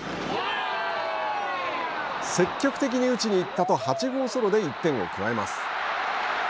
積極的に打ちに行ったと８号ソロで１点を加えます。